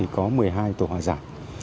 có một mươi hai tổ hòa giải